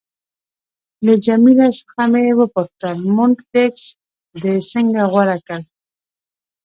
له جميله څخه مې وپوښتل: مونټریکس دې څنګه غوره کړ؟